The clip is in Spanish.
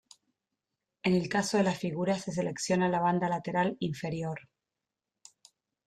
En el caso de la figura se selecciona la banda lateral inferior.